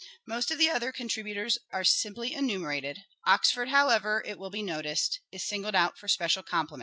Most of the other contributors are simply enumerated. Oxford, however, it will be noticed, is singled out for a special compliment.